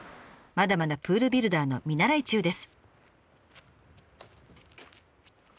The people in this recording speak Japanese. まだまだプールビルダーの見習い中です。